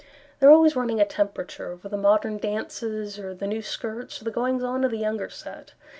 They are always running a temperature Over the modern dances, Or the new skirts, Or the goings on of the younger set.